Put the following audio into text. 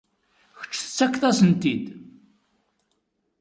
Kečč tettakeḍ-asen-t-id.